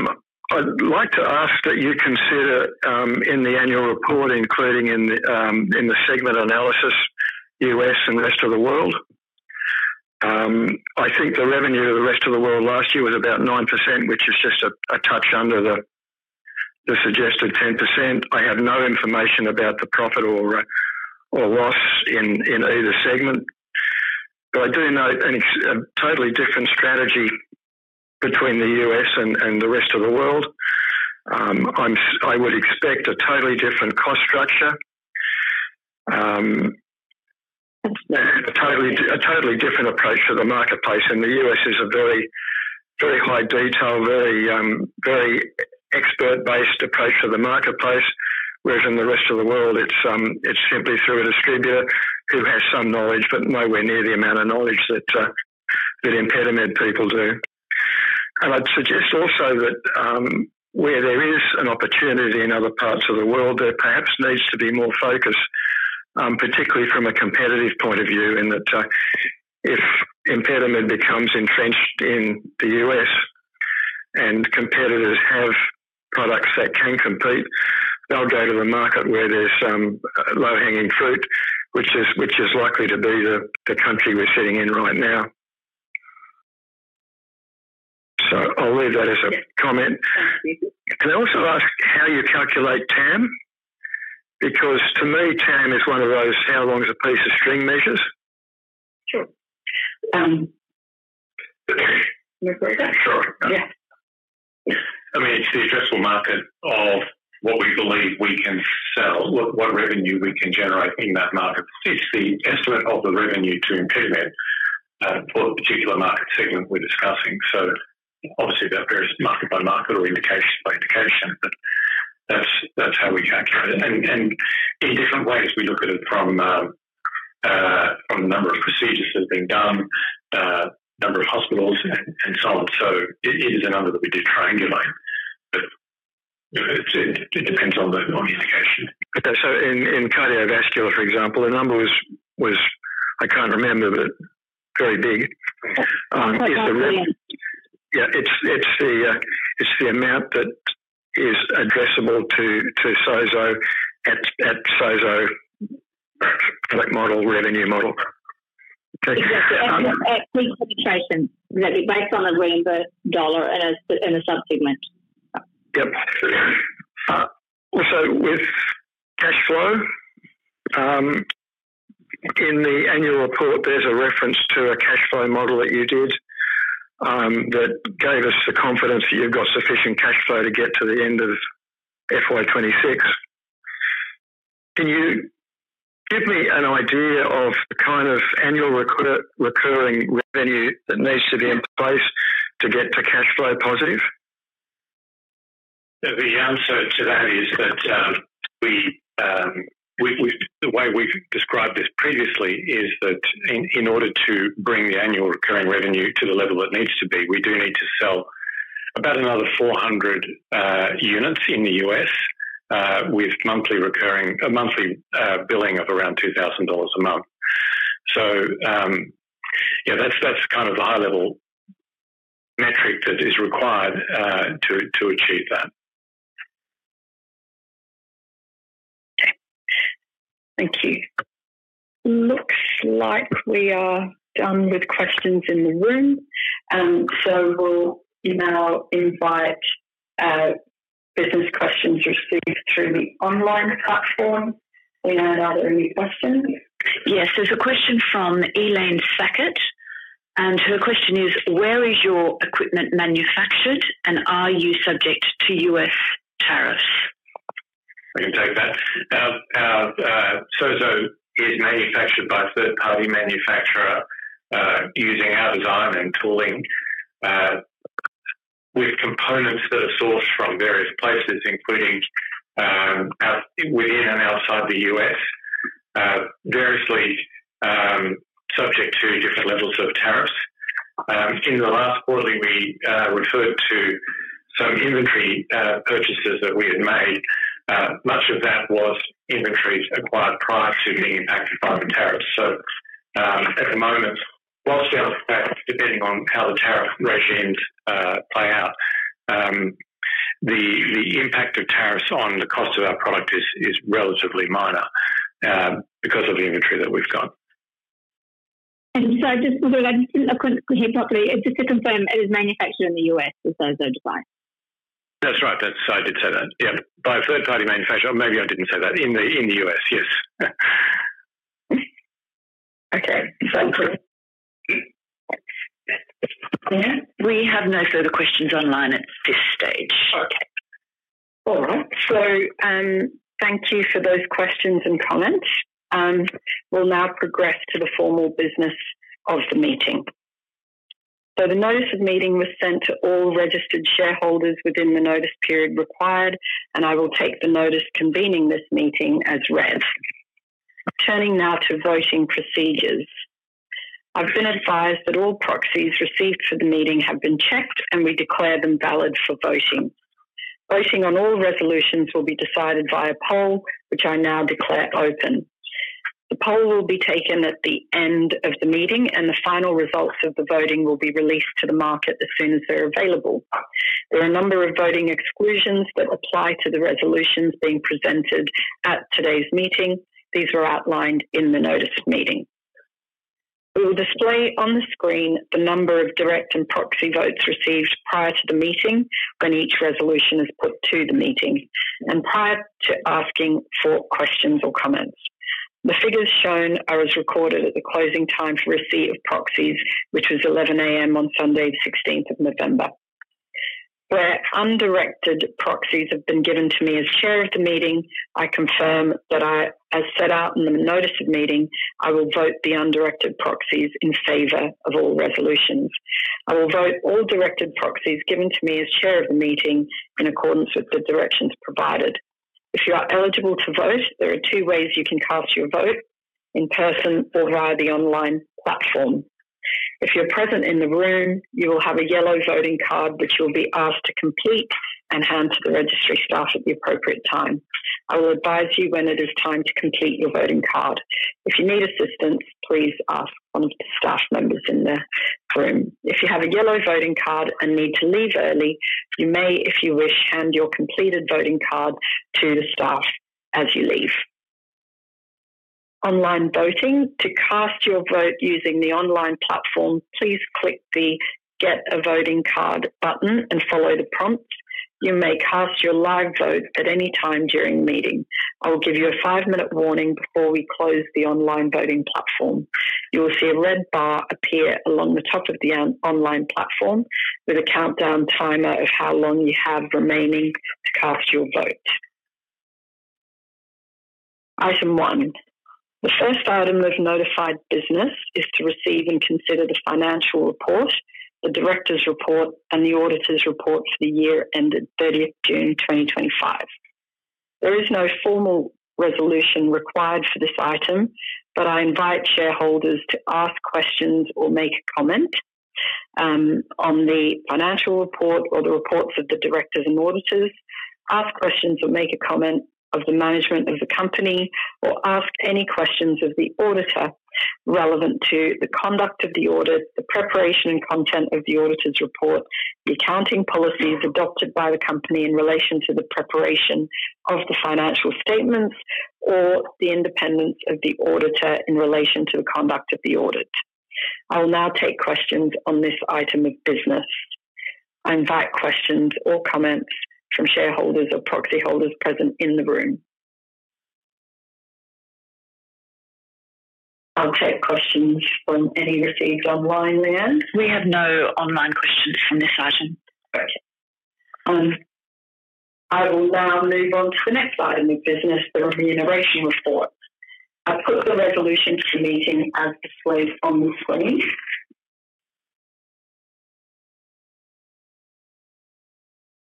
would like to ask that you consider in the annual report, including in the segment analysis, U.S. and rest of the world. I think the revenue of the rest of the world last year was about 9%, which is just a touch under the suggested 10%. I have no information about the profit or loss in either segment. I do know a totally different strategy between the U.S. and the rest of the world. I would expect a totally different cost structure, a totally different approach to the marketplace. The U.S. is a very high-detail, very expert-based approach to the marketplace, whereas in the rest of the world, it's simply through a distributor who has some knowledge but nowhere near the amount of knowledge that ImpediMed people do. I'd suggest also that where there is an opportunity in other parts of the world, there perhaps needs to be more focus, particularly from a competitive point of view, in that if ImpediMed becomes entrenched in the U.S. and competitors have products that can compete, they'll go to the market where there's low-hanging fruit, which is likely to be the country we're sitting in right now. I'll leave that as a comment. Can I also ask how you calculate TAM? Because to me, TAM is one of those, "How long is a piece of string?" measures. Sure. I'm sorry. Yeah. I mean, it's the addressable market of what we believe we can sell, what revenue we can generate in that market. It's the estimate of the revenue to ImpediMed for a particular market segment we're discussing. Obviously, that varies market by market or indication by indication, but that's how we calculate it. In different ways, we look at it from the number of procedures that have been done, number of hospitals, and so on. It is a number that we do triangulate, but it depends on the indication. Okay. In cardiovascular, for example, the number was, I can't remember, but very big. Is the revenue? Yeah. It's the amount that is addressable to SOZO at SOZO model revenue model. Okay. Yeah. It's actually subtitration, exactly, based on the reimbursed dollar in a subsegment. Yep. With cash flow, in the annual report, there's a reference to a cash flow model that you did that gave us the confidence that you've got sufficient cash flow to get to the end of FY2026. Can you give me an idea of the kind of annual recurring revenue that needs to be in place to get to cash flow positive? The answer to that is that the way we've described this previously is that in order to bring the annual recurring revenue to the level it needs to be, we do need to sell about another 400 units in the U.S. with monthly billing of around $2,000 a month. Yeah, that's kind of the high-level metric that is required to achieve that. Okay. Thank you. Looks like we are done with questions in the room. We will now invite business questions received through the online platform. Leanne, are there any questions? Yes. There's a question from Elaine Fackett, and her question is, "Where is your equipment manufactured, and are you subject to U.S. tariffs?" We can take that. SOZO is manufactured by a third-party manufacturer using our design and tooling with components that are sourced from various places, including within and outside the U.S., variously subject to different levels of tariffs. In the last quarter, we referred to some inventory purchases that we had made. Much of that was inventories acquired prior to being impacted by the tariffs. At the moment, whilst we are impacted, depending on how the tariff regimes play out, the impact of tariffs on the cost of our product is relatively minor because of the inventory that we've got. Sorry, just to make sure that I'm hearing properly, just to confirm, it is manufactured in the U.S. for SOZO device? That's right. I did say that. Yep. By a third-party manufacturer, or maybe I didn't say that. In the U.S., yes. We have no further questions online at this stage. Okay. All right. Thank you for those questions and comments. We'll now progress to the formal business of the meeting. The notice of meeting was sent to all registered shareholders within the notice period required, and I will take the notice convening this meeting as read. Turning now to voting procedures. I have been advised that all proxies received for the meeting have been checked, and we declare them valid for voting. Voting on all resolutions will be decided via poll, which I now declare open. The poll will be taken at the end of the meeting, and the final results of the voting will be released to the market as soon as they are available. There are a number of voting exclusions that apply to the resolutions being presented at today's meeting. These were outlined in the notice of meeting. We will display on the screen the number of direct and proxy votes received prior to the meeting when each resolution is put to the meeting and prior to asking for questions or comments. The figures shown are as recorded at the closing time for receipt of proxies, which was 11:00 A.M. on Sunday, the 16th of November. Where undirected proxies have been given to me as Chair of the meeting, I confirm that as set out in the notice of meeting, I will vote the undirected proxies in favor of all resolutions. I will vote all directed proxies given to me as Chair of the meeting in accordance with the directions provided. If you are eligible to vote, there are two ways you can cast your vote: in person or via the online platform. If you're present in the room, you will have a yellow voting card that you'll be asked to complete and hand to the registry staff at the appropriate time. I will advise you when it is time to complete your voting card. If you need assistance, please ask one of the staff members in the room. If you have a yellow voting card and need to leave early, you may, if you wish, hand your completed voting card to the staff as you leave. Online voting. To cast your vote using the online platform, please click the "Get a Voting Card" button and follow the prompts. You may cast your live vote at any time during the meeting. I will give you a five-minute warning before we close the online voting platform. You will see a red bar appear along the top of the online platform with a countdown timer of how long you have remaining to cast your vote. Item one. The first item of notified business is to receive and consider the financial report, the director's report, and the auditor's report for the year ended 3th June 2025. There is no formal resolution required for this item, but I invite shareholders to ask questions or make a comment on the financial report or the reports of the directors and auditors, ask questions or make a comment of the management of the company, or ask any questions of the auditor relevant to the conduct of the audit, the preparation and content of the auditor's report, the accounting policies adopted by the company in relation to the preparation of the financial statements, or the independence of the auditor in relation to the conduct of the audit. I will now take questions on this item of business. I invite questions or comments from shareholders or proxy holders present in the room. I'll take questions from any received online, Leanne. We have no online questions from this item. Okay. I will now move on to the next item of business, the remuneration report. I've put the resolution to the meeting as displayed on the screen.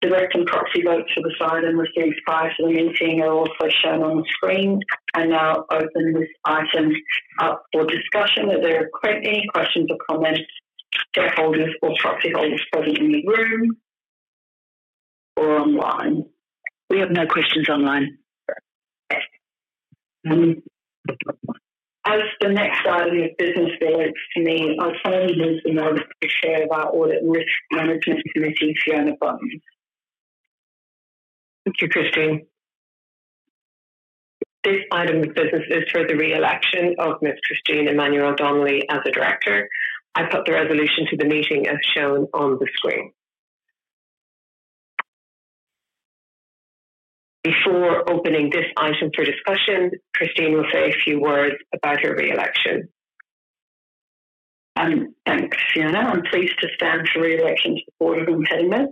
Direct and proxy votes for this item received prior to the meeting are also shown on the screen. I now open this item up for discussion. Are there any questions or comments from shareholders or proxy holders present in the room or online? We have no questions online. As the next item of business relates to me, I'll turn you to the notice to chair of our Audit and Risk Management Committee, Fiona Bones. Thank you, Christine. This item of business is for the reelection of Ms. Christine Emmanuel-Donnelly as a director. I put the resolution to the meeting as shown on the screen. Before opening this item for discussion, Christine will say a few words about her reelection. Thanks, Fiona. I'm pleased to stand for reelection to the board of ImpediMed.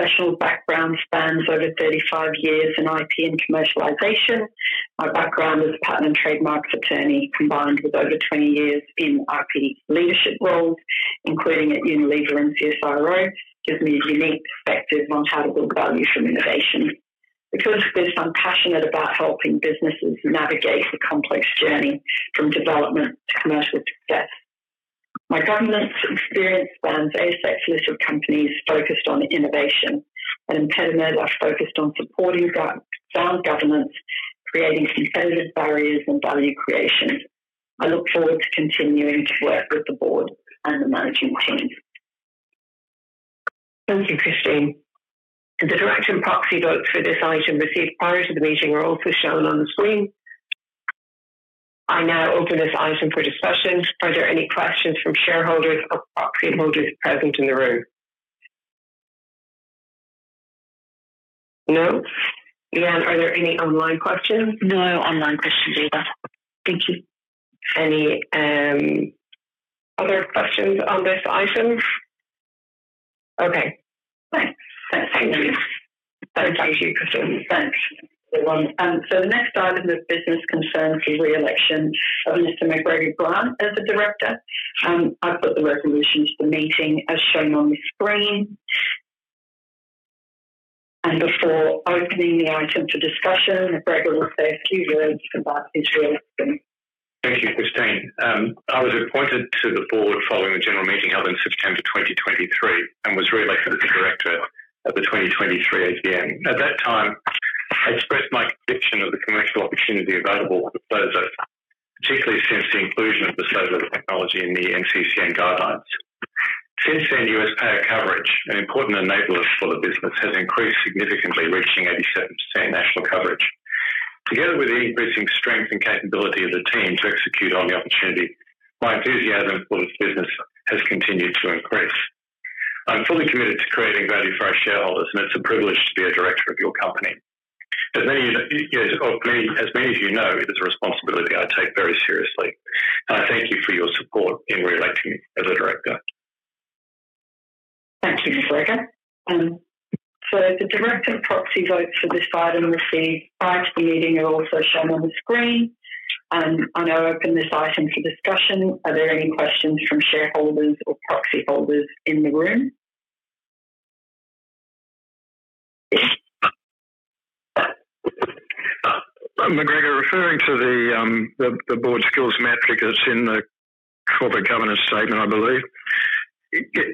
My professional background spans over 35 years in IP and commercialization. My background as a patent and trademarks attorney combined with over 20 years in IP leadership roles, including at Unilever and CSIRO, gives me a unique perspective on how to build value from innovation. Because of this, I'm passionate about helping businesses navigate the complex journey from development to commercial success. My governance experience spans a spectrum of companies focused on innovation, and ImpediMed are focused on supporting sound governance, creating competitive barriers, and value creation. I look forward to continuing to work with the board and the management team. Thank you, Christine. The direction proxy votes for this item received prior to the meeting are also shown on the screen. I now open this item for discussion. Are there any questions from shareholders or proxy holders present in the room? No? Leanne, are there any online questions? No online questions either. Thank you. Any other questions on this item? Okay. Thank you. Thank you, Christine. Thanks. The next item of business concerns the reelection of Mr. McGregor Grant as a director. I have put the resolution to the meeting as shown on the screen. Before opening the item for discussion, McGregor will say a few words about his reelection. Thank you, Christine. I was appointed to the board following the general meeting held in September 2023 and was reelected as a director at the 2023 AGM. At that time, I expressed my conviction of the commercial opportunity available to SOZO, particularly since the inclusion of the SOZO technology in the NCCN guidelines. Since then, U.S. payer coverage, an important enabler for the business, has increased significantly, reaching 87% national coverage. Together with the increasing strength and capability of the team to execute on the opportunity, my enthusiasm for this business has continued to increase. I'm fully committed to creating value for our shareholders, and it's a privilege to be a director of your company. As many of you know, it is a responsibility I take very seriously, and I thank you for your support in reelecting me as a director. Thank you, McGregor. The director proxy votes for this item received prior to the meeting are also shown on the screen. I now open this item for discussion. Are there any questions from shareholders or proxy holders in the room? McGregor, referring to the board skills metric that's in the corporate governance statement, I believe,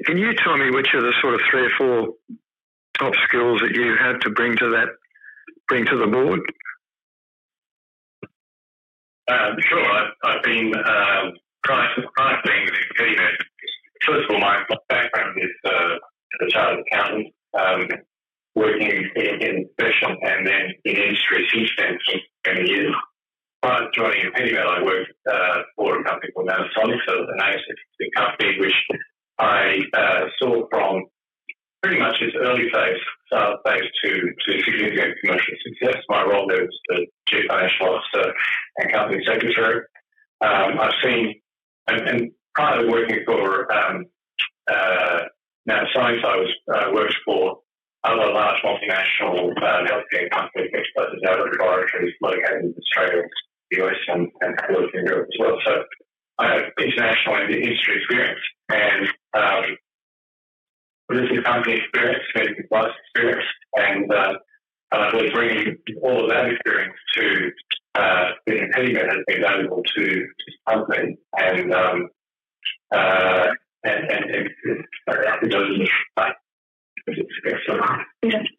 can you tell me which are the sort of three or four top skills that you had to bring to the board?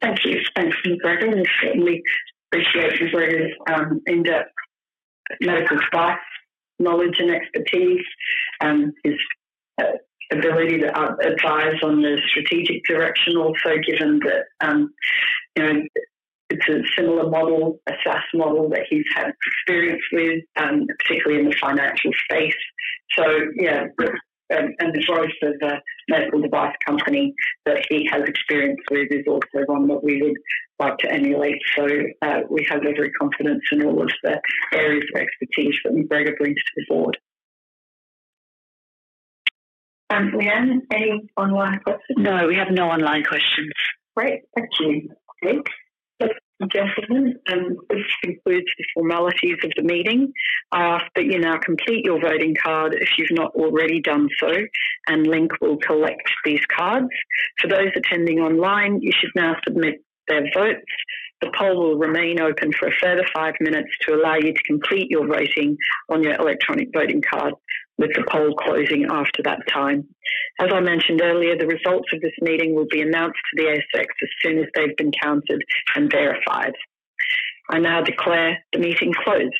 Thanks, McGregor. We certainly appreciate McGregor's in-depth medical advice, knowledge, and expertise, his ability to advise on the strategic direction, also given that it's a similar model, a SaaS model that he's had experience with, particularly in the financial space. Yeah, and the growth of the medical device company that he has experience with is also one that we would like to emulate. We have every confidence in all of the areas of expertise that McGregor brings to the board. Leanne, any online questions? No, we have no online questions. Great. Thank you. Okay. Just to conclude the formalities of the meeting, I ask that you now complete your voting card if you've not already done so, and Link will collect these cards. For those attending online, you should now submit their votes. The poll will remain open for a further five minutes to allow you to complete your voting on your electronic voting card with the poll closing after that time. As I mentioned earlier, the results of this meeting will be announced to the ASX as soon as they've been counted and verified. I now declare the meeting closed.